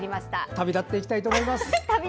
旅立っていきたいと思います。